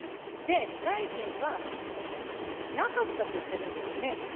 大臣はなかったと言ってるんですよね。